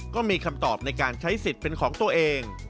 ก็มีคำตอบในการใช้สิทธิ์เป็นของตัวเอง